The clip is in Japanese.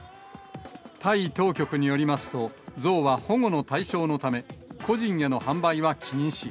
タイ当局によりますと、象は保護の対象のため、個人への販売は禁止。